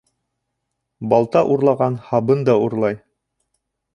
Балта урлаған һабын да урлай.